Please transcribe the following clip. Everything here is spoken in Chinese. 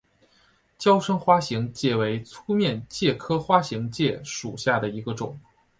娇生花形介为粗面介科花形介属下的一个种。